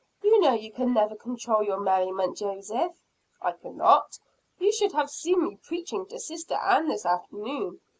"You know you never can control your merriment, Joseph." "I cannot? You should have seen me preaching to sister Ann this afternoon.